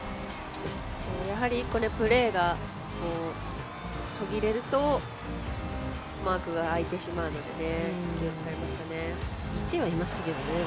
やはり、これプレーが途切れるとマークが空いてしまうので隙を突かれましたね。